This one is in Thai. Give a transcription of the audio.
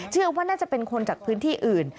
เชื่อว่าน่าจะเป็นคนจากพื้นที่อื่น